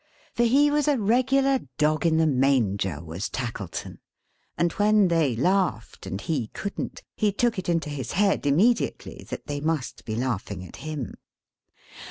For he was a regular Dog in the Manger, was Tackleton; and when they laughed, and he couldn't, he took it into his head, immediately, that they must be laughing at him.